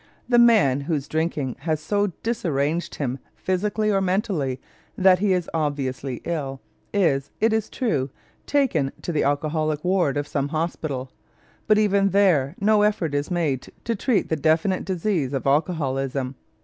The man whose drinking has so disarranged him physically or mentally that he is obviously ill is, it is true, taken to the alcoholic ward of some hospital, but even there no effort is made to treat the definite disease of alcoholism.